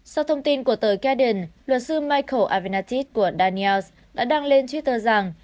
sau thông tin của tờ guardian luật sư michael avenatis của daniels đã đăng lên twitter rằng